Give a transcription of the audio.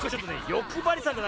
よくばりさんだな。